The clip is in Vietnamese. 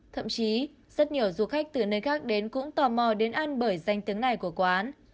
thậm chí rất nhiều du khách từ nơi khác đến cũng tò mò đến ăn bởi danh tiếng này của quán